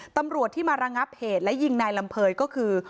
ตำรวจที่มาระงับเหตุและยิงนายลำเภยก็คือ